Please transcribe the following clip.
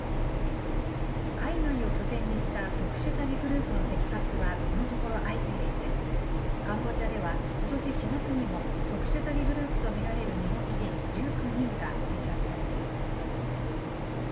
海外を拠点にした特殊詐欺グループの摘発はこのところ相次いでいて、カンボジアでは、ことし４月にも、特殊詐欺グループと見られる日本人１９人が摘発されています。